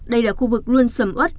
đây là khu vực luôn sầm ớt